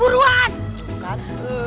atu jangan pelan